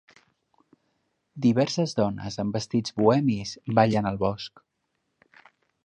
Diverses dones amb vestits bohemis ballen al bosc.